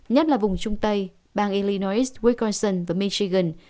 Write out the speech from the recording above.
nhất là vùng trung tây bang illinois wisconsin và michigan